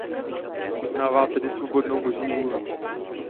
Uznává tedy svobodnou Boží vůli.